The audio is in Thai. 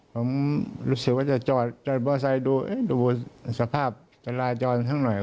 ผมรู้สึกว่าจะจอดมอไซค์ดูสภาพจราจรข้างหน่อย